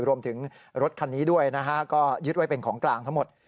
รวมถึงรถคันนี้ด้วยนะฮะก็ยึดไว้เป็นของกลางทั้งหมด